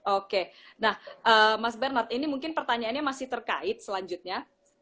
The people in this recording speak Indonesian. oke nah mas bernard ini mungkin pertanyaannya masih terkait selanjutnya